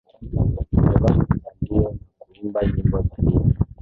wamevaa mitandio na kuimba nyimbo za dini